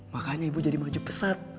makanya ibu jadi maju pesat